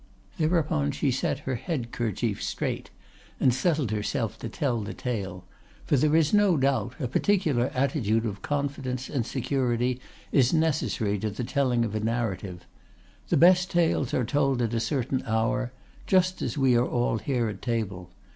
"Thereupon she set her head kerchief straight, and settled herself to tell the tale; for there is no doubt a particular attitude of confidence and security is necessary to the telling of a narrative. The best tales are told at a certain hour—just as we are all here at table.